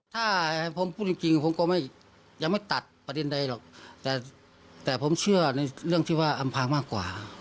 ถ้าผมพูดจริงผมก็ยังไม่ตัดประเด็นใดหรอกแต่ผมเชื่อในเรื่องที่ว่าอำพางมากกว่า